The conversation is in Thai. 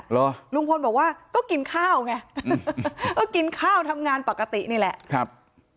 เหรอลุงพลบอกว่าก็กินข้าวไงก็กินข้าวทำงานปกตินี่แหละครับ